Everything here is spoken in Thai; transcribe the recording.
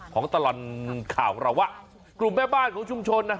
ของตลอดข่าวของเราว่ากลุ่มแม่บ้านของชุมชนนะ